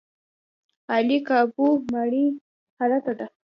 عالي قاپو ماڼۍ هلته ده.